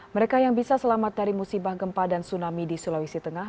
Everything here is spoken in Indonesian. mereka yang bisa selamat dari musibah gempa dan tsunami di sulawesi tengah